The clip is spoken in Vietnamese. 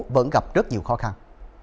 vẫn gặp rất nhiều khó khăn